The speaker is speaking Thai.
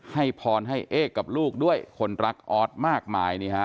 ให้พรให้เอกกับลูกด้วยคนรักออสมากมายนี่ฮะ